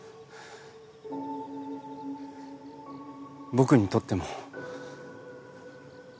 僕にとっても。